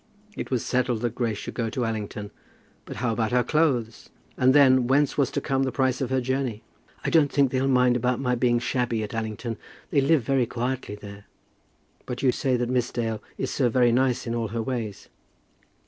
It was settled that Grace should go to Allington; but how about her clothes? And then, whence was to come the price of her journey? "I don't think they'll mind about my being shabby at Allington. They live very quietly there." "But you say that Miss Dale is so very nice in all her ways."